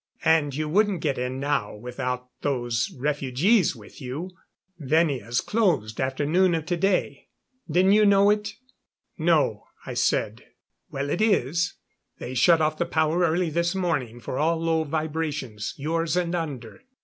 "And you wouldn't get in now without those refugees with you. Venia's closed after noon of today. Didn't you know it?" "No," I said. "Well, it is. They shut off the power early this morning for all low vibrations yours and under.